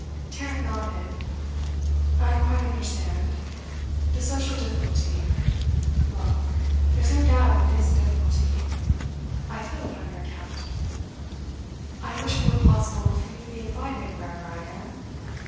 Tarrant nodded. 'I quite understand. The social difficulty. Well, there's no doubt it is a difficulty; I feel it on your account. I wish it were possible for you to be invited wherever I am.